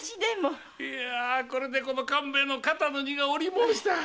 いやあこれでこの官兵衛も肩の荷が下りもうした。